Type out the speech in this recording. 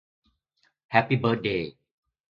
แฮปปี้เบิร์ดเดย์